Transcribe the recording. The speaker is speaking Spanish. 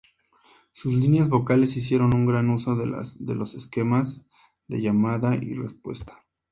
Sus líneas vocales hicieron un gran uso de los esquemas de llamada y respuesta.